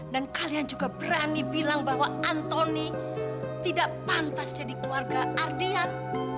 kalian juga berani bilang bahwa anthony tidak pantas jadi keluarga ardian